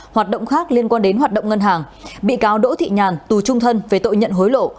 hoạt động khác liên quan đến hoạt động ngân hàng bị cáo đỗ thị nhàn tù trung thân về tội nhận hối lộ